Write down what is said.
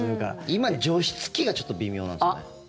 今、除湿器がちょっと微妙なんですよね。